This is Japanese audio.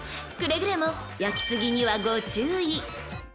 ［くれぐれも焼き過ぎにはご注意］